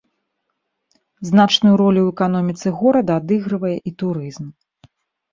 Значную ролю ў эканоміцы горада адыгрывае і турызм.